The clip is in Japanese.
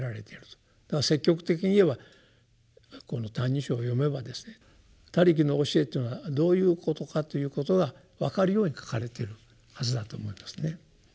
だから積極的に言えばこの「歎異抄」を読めばですね「他力」の教えというのはどういうことかということが分かるように書かれているはずだと思うんですね。